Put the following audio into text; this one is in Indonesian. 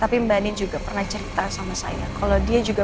tapi mbak nin juga pernah cerita sama saya kalau dia juga